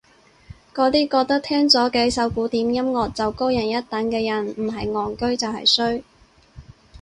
嗰啲覺得聽咗幾首古典音樂就高人一等嘅人唔係戇居就係衰